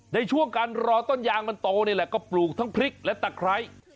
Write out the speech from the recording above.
ในช่วงการรอต้นยางมันโตนี่แหละก็ปลูกทั้งพริกและตะไคร้